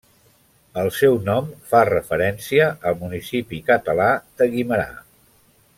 El seu nom fa referència al municipi català de Guimerà.